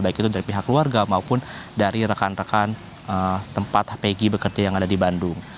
baik itu dari pihak keluarga maupun dari rekan rekan tempat pegi bekerja yang ada di bandung